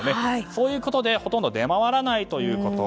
そういうことでほとんど出回らないということ。